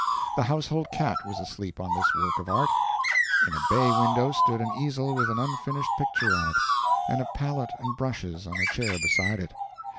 The household cat was asleep on this work of art. In a bay window stood an easel with an unfinished picture on it, and a palette and brushes on a chair beside it.